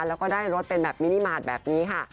แล้วก็ได้รถเป็นแบบมินิมาตรแบบนี้ค่ะ